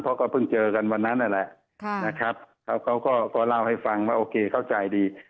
เพราะก็เพิ่งเจอกันวันนั้นนั่นแหละนะครับเขาก็เล่าให้ฟังว่าโอเคเข้าใจดี